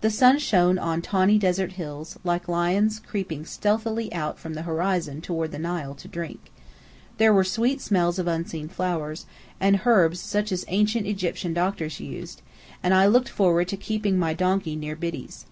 The sun shone on tawny desert hills, like lions creeping stealthily out from the horizon toward the Nile to drink. There were sweet smells of unseen flowers, and herbs such as ancient Egyptian doctors used, and I looked forward to keeping my donkey near Biddy's.